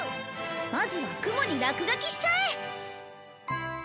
まずは雲に落書きしちゃえ！